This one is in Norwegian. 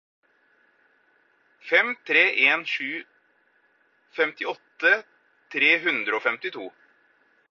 fem tre en sju femtiåtte tre hundre og femtito